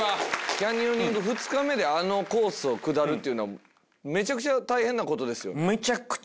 キャニオニング２日目であのコースを下るっていうのはめちゃくちゃ大変なことですよね？